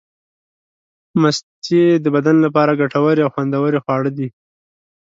مستې د بدن لپاره ګټورې او خوندورې خواړه دي.